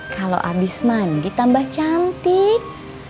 kalau abis mandi tambah cantik